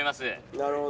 なるほど。